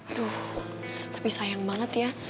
aduh tapi sayang banget ya